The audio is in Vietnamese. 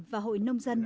và hội nông dân